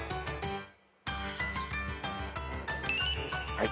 はい。